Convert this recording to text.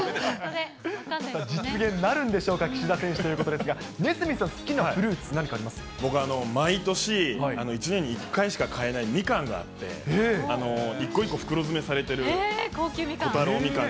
実現なるんでしょうか、岸田選手ということで、ＮＥＳＭＩＴＨさん、好きなフルーツ、僕、毎年、１年に１回しか買えないミカンがあって、一個一個袋詰めされてる、高級みかん。